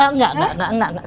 enggak enggak enggak enggak